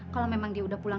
kalau memang dia udah pulang